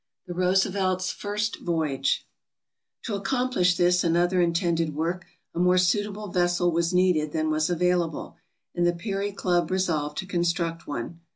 The "Roosevelt's" First Voyage To accomplish this and other intended work, a more suitable vessel was needed than was available, and the Peary Club resolved to construct one.